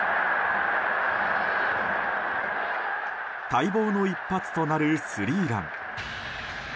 待望の一発となるスリーラン。